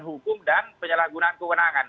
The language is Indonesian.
hukum dan penyalahgunaan kewenangan